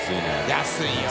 安いよ！